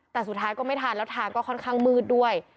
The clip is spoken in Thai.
แต่สุดท้ายก็ไม่ทันแล้วทางก็ค่อนข้างมืดด้วย